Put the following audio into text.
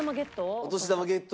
お年玉ゲットです。